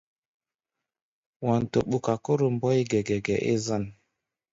Wanto ɓuka Kóro Mbóe gɛgɛgɛ é zân.